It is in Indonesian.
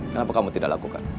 kenapa kamu tidak lakukan